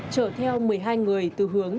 chở theo một mươi hai người từ hướng